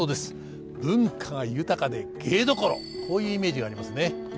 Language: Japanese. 文化が豊かで芸どころこういうイメージがありますね。